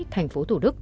thành phố tủ đức